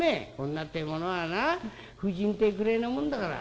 女ってえものはな婦人ってくれえなもんだから。